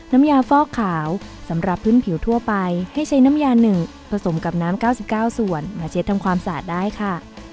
น้ำยาฟอกขาวสำหรับพื้นผิวทั่วไปให้ใช้น้ำยา๑ผสมกับน้ำ๙๙ส่วนมาเช็ดทำความสะอาดได้ค่ะ